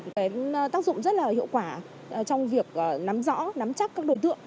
công an tác dụng rất là hiệu quả trong việc nắm rõ nắm chắc các đối tượng